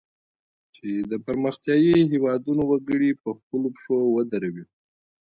چې د پرمختیایي هیوادونو وګړي په خپلو پښو ودروي.